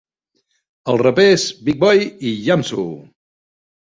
Els rapers Big Boi i Iamsu!